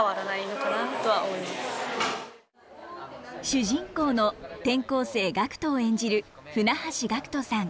主人公の転校生ガクトを演じる船橋岳斗さん。